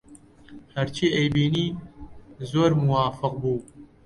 هەرچی ئەیبینی زۆر موافق بوو